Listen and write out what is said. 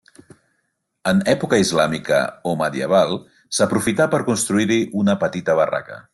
En època islàmica o medieval s'aprofità per construir-hi una petita barraca.